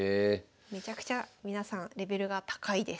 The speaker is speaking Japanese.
めちゃくちゃ皆さんレベルが高いです。